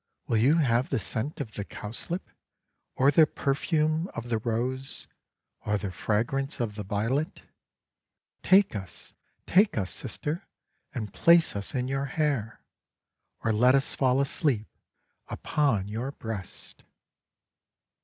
Will you have the scent of the Cowslip, or the perfume of the Rose, or the fragrance of the Violet? Take us, take us, Sister, and place us in your hair, or let us fall asleep upon your breast."